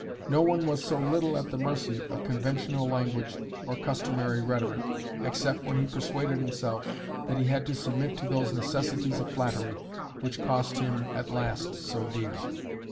No one was so little at the mercy of conventional language or customary rhetoric, except when he persuaded himself that he had to submit to those necessities of flattery, which cost him at last so dear.